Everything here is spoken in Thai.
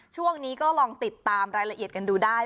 ช่วงนี้ก็ลองติดตามรายละเอียดกันดูได้